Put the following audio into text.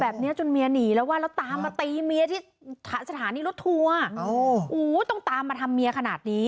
แบบนี้จนเมียหนีแล้วว่าแล้วตามมาตีเมียที่สถานีรถทัวร์ต้องตามมาทำเมียขนาดนี้